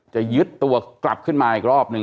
จะยึดตัวกลับขึ้นมาอีกรอบหนึ่ง